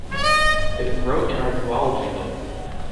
it is wrote in our zoology book